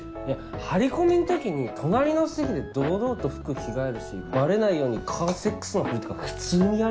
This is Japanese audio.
張り込みん時に隣の席で堂々と服着替えるしバレないようにカーセックスのふりとか普通にやるから。